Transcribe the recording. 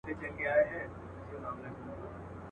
په لوی خدای دي ستا قسم وي راته ووایه حالونه.